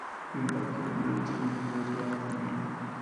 De un lado se encuentra lo masculino y del otro, lo femenino.